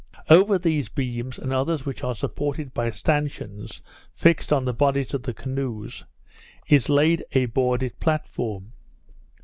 Over these beams, and others which are supported by stanchions fixed on the bodies of the canoes, is laid a boarded platform.